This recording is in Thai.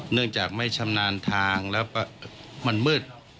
เนื่องจากไม่ชำนาญทางแล้วมันมืด